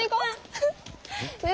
え